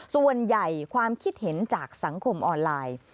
ส่วนใหญ่ความคิดเห็นจากสังคมออนไลน์